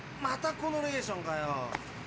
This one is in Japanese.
またこのレーションかよ。